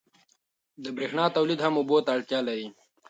د برېښنا تولید هم اوبو ته اړتیا لري.